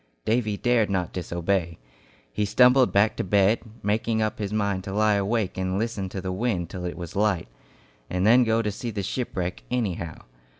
Davy dared not disobey. He stumbled back to bed, making up his mind to lie awake and listen to the wind till it was light, and then go to see the shipwreck "anyhow."